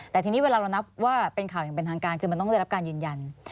แต่ทีนี้เวลาเรานับว่าเป็นข่าวอย่างเป็นทางการคือมันต้องได้รับการยืนยัน